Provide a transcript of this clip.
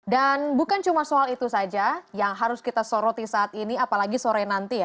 dan bukan cuma soal itu saja yang harus kita soroti saat ini apalagi sore nanti ya